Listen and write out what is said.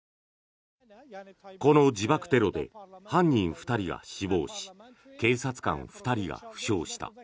この自爆テロで犯人２人が死亡し警察官２人が負傷した。